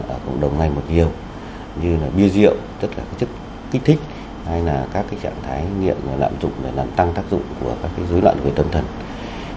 ở cộng đồng này nhiều như bia rượu tức là chất kích thích hay là các trạng thái nghiệm lạm dụng để làm tăng tác dụng của các rối loạn người tâm thần